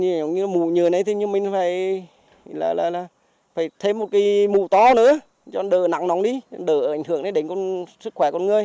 mùa như thế này thì mình phải thêm một cái mùa to nữa cho đỡ nắng nóng đi đỡ ảnh hưởng đến sức khỏe con người